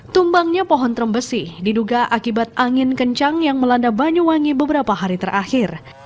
tumbangnya pohon termbesi diduga akibat angin kencang yang melanda banyuwangi beberapa hari terakhir